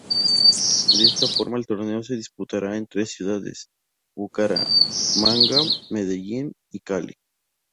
De esta forma, el torneo se disputará en tres ciudades: Bucaramanga, Medellín y Cali.